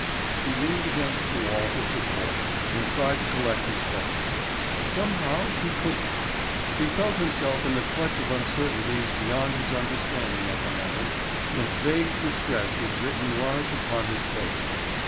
He leaned against the wall for support and tried to collect his thoughts. Somehow he couldn't. He felt himself in the clutch of uncertainties beyond his understanding at the moment and vague distress was written large upon his face.